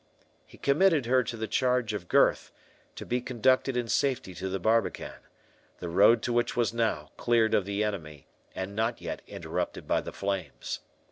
He committed her to the charge of Gurth, to be conducted in safety to the barbican, the road to which was now cleared of the enemy, and not yet interrupted by the flames.